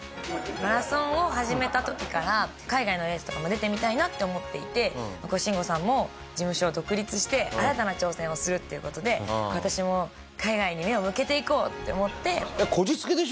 マラソンを始めた時から海外のレースとかも出てみたいなって思っていて慎吾さんも事務所を独立して新たな挑戦をするっていう事で私も海外に目を向けていこうって思って。